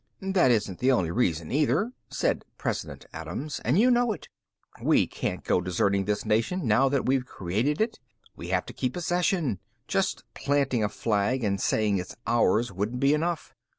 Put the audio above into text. "That isn't the only reason, either," said President Adams, "and you know it. We can't go deserting this nation now that we've created it. We have to keep possession. Just planting a flag and saying it's ours wouldn't be enough.